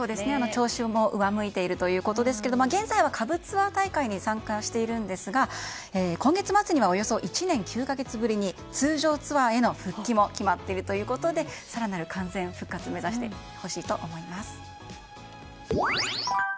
調子も上向いているということですけれども現在は下部ツアー大会に参加しているんですが今月末にはおよそ１年９か月ぶりに通常ツアーへの復帰も決まっているということで更なる完全復活を目指してほしいと思います。